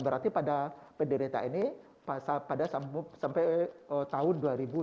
berarti pada penderita ini sampai tahun dua ribu dua puluh